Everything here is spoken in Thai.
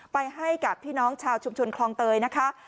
ไปให้กับพี่น้องชาวชุมชนคลองเตยนะคะ